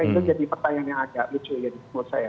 itu jadi pertanyaan yang agak lucu ya di sekolah saya